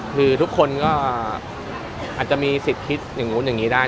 คือทุกคนก็อาจจะมีสิทธิ์คิดอย่างนู้นอย่างนี้ได้